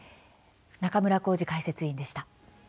中村幸司解説委員でした。